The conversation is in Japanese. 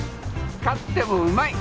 勝ってもうまい。